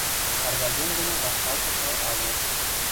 шаргагем доно вашталтышла агыл.